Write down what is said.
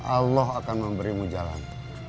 allah akan memberimu jalan